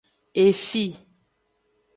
Efi.